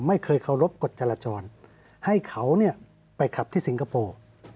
ไม่เคยเคารพกฎจราจรให้เขาเนี่ยไปขับที่สิงคโปร์